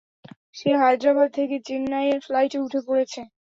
সে হায়দ্রাবাদ থেকে চেন্নাইয়ের ফ্লাইটে উঠে পড়েছে।